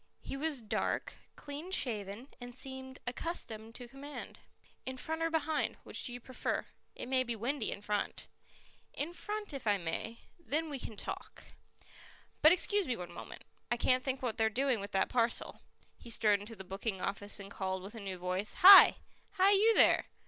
He was dark, clean shaven and seemed accustomed to command. "In front or behind? Which do you prefer? It may be windy in front." "In front if I may; then we can talk." "But excuse me one moment I can't think what they're doing with that parcel." He strode into the booking office and called with a new voice: "Hi! hi, you there!